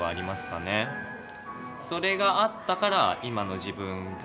それがあったから今の自分があって。